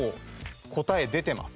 答え出てます。